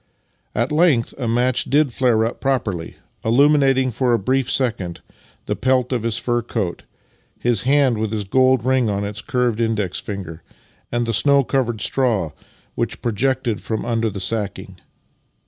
At length a match did flare up properly, illuminating for a brief second the pelt of his fur coat, his hand with the gold ring on its curved index finger, and the snow covered straw which projected from under the sacking.